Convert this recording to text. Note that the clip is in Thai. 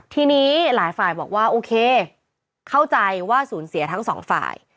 ทีนี้หลายฝ่ายบอกว่าโอเคเข้าใจว่าสูญเสียทั้งสองฝ่าย